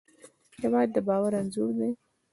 هېواد د باور انځور دی.